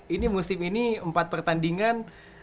ini musim ini empat pertandingan